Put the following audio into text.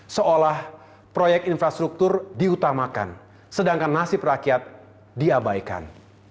seolah proyek infrastruktur diutamakan sedangkan nasib rakyat diabaikan